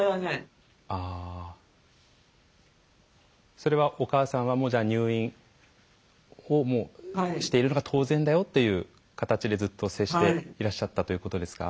それはお母さんは入院をしているのが当然だよという形でずっと接していらっしゃったということですか。